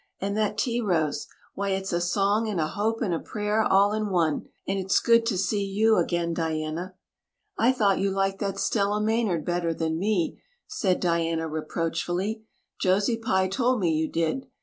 And that tea rose why, it's a song and a hope and a prayer all in one. And it's good to see you again, Diana!" "I thought you liked that Stella Maynard better than me," said Diana reproachfully. "Josie Pye told me you did.